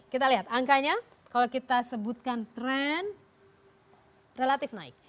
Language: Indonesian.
kita lihat angkanya kalau kita sebutkan tren relatif naik